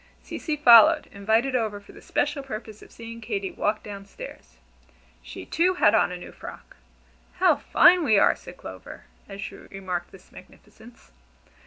Cecy followed, invited over for the special purpose of seeing Katy walk down stairs. She, too, had on a new frock. "How fine we are!" said Clover, as she remarked this magnificence.